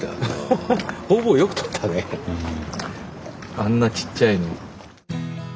あんなちっちゃいのに。